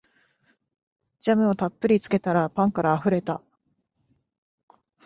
ジャムをたっぷりつけたらパンからあふれた